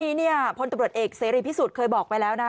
ทีนี้เนี่ยพลตบริษัทเอกซีรีส์พิสูจน์เคยบอกไปแล้วนะ